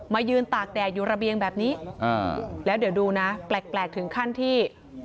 ยืนตากแดดอยู่ระเบียงแบบนี้แล้วเดี๋ยวดูนะแปลกถึงขั้นที่